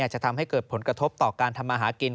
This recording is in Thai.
จะทำให้เกิดผลกระทบต่อการทำมาหากิน